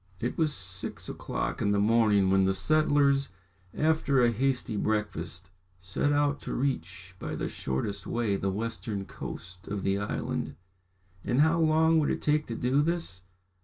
It was six o'clock in the morning when the settlers, after a hasty breakfast, set out to reach by the shortest way the western coast of the island. And how long would it take to do this?